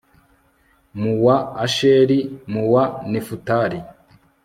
mu wa asheri, mu wa nefutali